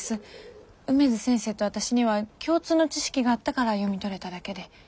梅津先生と私には共通の知識があったから読み取れただけで。